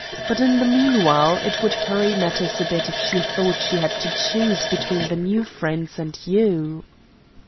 But, in the meanwhile, it would hurry matters a bit if she thought she had to choose between the new friends and you."